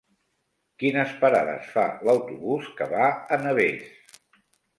Quines parades fa l'autobús que va a Navès?